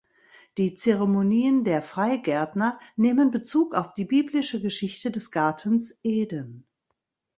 Die Zeremonien der Freigärtner nehmen Bezug auf die biblische Geschichte des Gartens Eden.